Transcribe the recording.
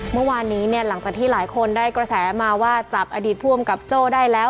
เมื่อวานนี้เนี่ยหลังจากที่หลายคนได้กระแสมาว่าจับอดีตผู้อำกับโจ้ได้แล้ว